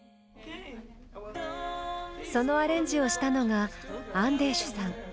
そのアレンジをしたのがアンデーシュさん。